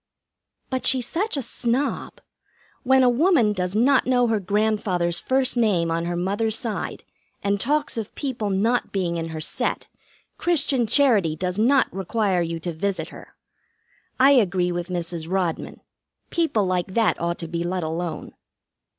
"But she's such a snob. When a woman does not know her grandfather's first name on her mother's side and talks of people not being in her set, Christian charity does not require you to visit her. I agree with Mrs. Rodman. People like that ought to be let alone."